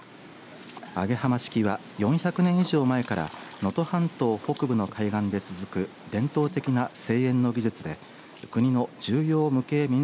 揚浜式は４００年以上前から能登半島北部の海岸で続く伝統的な製塩の技術で国の重要無形民俗